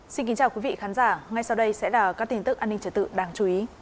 xin kính chào quý vị khán giả ngay sau đây sẽ là các tin tức an ninh trở tự đáng chú ý